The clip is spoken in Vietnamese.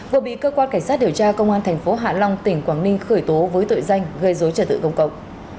vừa bị cơ quan cảnh sát điều tra công an thành phố hạ long tỉnh quảng ninh khởi tố với tội danh gây dối trật tự công cộng